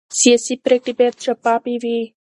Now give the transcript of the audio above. سیاسي پرېکړې باید شفافې وي